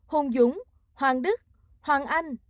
hùng dũng hoàng đức hoàng anh